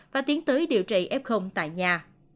và tiến tới điều trị f tại nhà